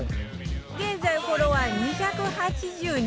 現在フォロワー２８２万人